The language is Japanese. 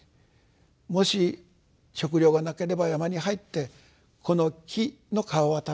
「もし食糧がなければ山に入ってこの木の皮は食べられるよ。